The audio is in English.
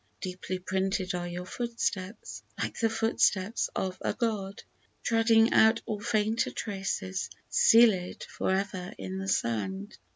Deeply printed are your footsteps, like the footsteps of a god; Treading out all fainter traces — seaPd for ever in the sand.